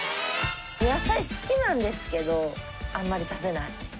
野菜好きなんですけどあんまり食べないやっぱり。